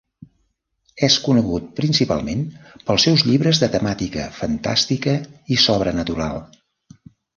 És conegut principalment pels seus llibres de temàtica fantàstica i sobrenatural.